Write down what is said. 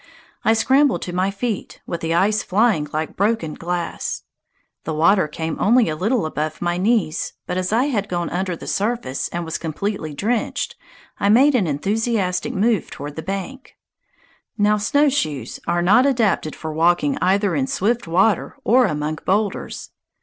I scrambled to my feet, with the ice flying like broken glass. The water came only a little above my knees, but as I had gone under the surface, and was completely drenched, I made an enthusiastic move toward the bank. Now snowshoes are not adapted for walking either in swift water or among boulders.